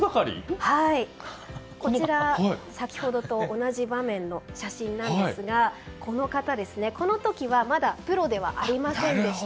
こちら、先ほどと同じ場面の写真なんですがこの方、この時はまだプロではありませんでした。